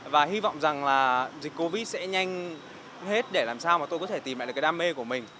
và hy vọng rằng dịch covid sẽ nhanh hết để làm sao tôi có thể tìm lại đam mê của mình